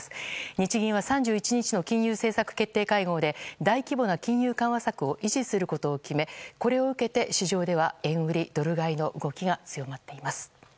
日銀は３１日の金融政策決定会合で大規模な金融緩和策を維持することを決めこれを受けて市場では円売りドル買いの動きが強まっています。